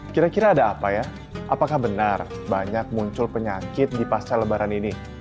kira kira ada apa ya apakah benar banyak muncul penyakit di pasca lebaran ini